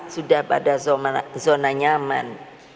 sudah pada zona nyaman